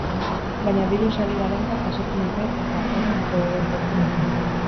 Baina diru sari galanta jasotzen dute eta horrek gogobetetzen ditu.